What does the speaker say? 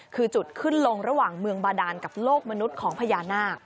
คือจุดขึ้นลงระหว่างเมืองบาดานกับโลกมนุษย์ของพญานาค